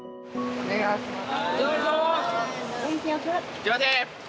お願いします。